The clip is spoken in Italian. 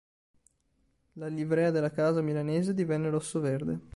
La livrea della casa milanese divenne rosso-verde.